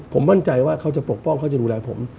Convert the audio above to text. ผมมั่นใจว่าเขาจะปกป้องเขาจะดูแลผม